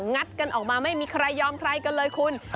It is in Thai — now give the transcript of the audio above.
ัดกันออกมาไม่มีใครยอมใครกันเลยคุณ